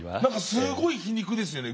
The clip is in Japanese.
すごい皮肉ですよね。